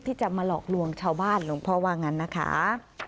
ที่จะมาหลอกลวงชาวบ้านหลวงพ่อว่างั้นนะคะ